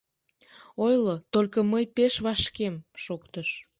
— Ойло, только мый пеш вашкем! — шоктыш.